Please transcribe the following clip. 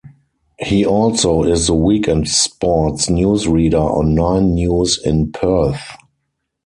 He also is the weekend sports newsreader on Nine News in Perth.